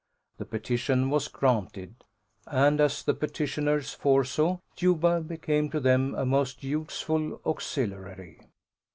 The petition was granted; and as the petitioners foresaw, Juba became to them a most useful auxiliary.